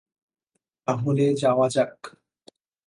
তাহলে যাওয়া যাক।